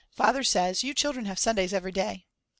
Father says: You children have Sundays every day.